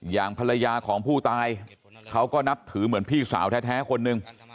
อย่างภรรยาของผู้ตายเขาก็นับถือเหมือนพี่สาวแท้คนหนึ่ง